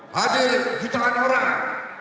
hadir jutaan orang